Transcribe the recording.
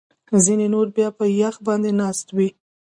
ځینې نور بیا په یخ باندې ناست وي